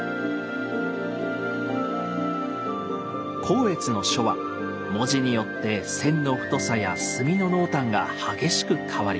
光悦の書は文字によって線の太さや墨の濃淡が激しく変わります。